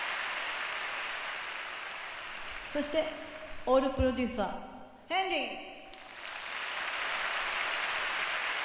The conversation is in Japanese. そしてオールプロデューサーヘンリー。